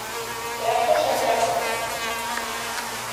Tractes són tractes.